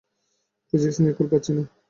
Physics নিয়েই কুল পাচ্ছি না।